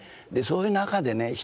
でそういう中でね